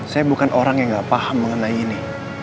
saya bukan orang yang gak paham mengenai ini